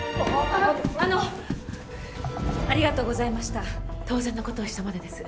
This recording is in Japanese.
あのあのありがとうございました当然のことをしたまでです